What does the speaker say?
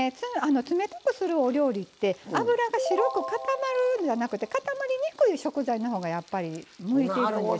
冷たくするお料理って脂が白く固まるんじゃなくて固まりにくい食材のほうがやっぱり向いてるんです。